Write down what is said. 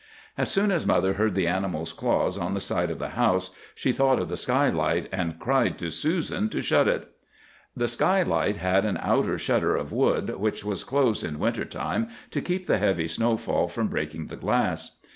"As soon as mother heard the animal's claws on the side of the house, she thought of the skylight, and cried to Susan to shut it. "The skylight had an outer shutter of wood, which was closed in winter time to keep the heavy snowfall from breaking the glass.